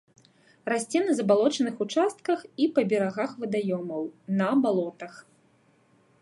Расце на забалочаных участках і па берагах вадаёмаў, на балотах.